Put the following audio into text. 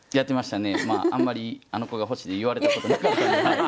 まああんまりあの子が欲しいって言われたことなかった。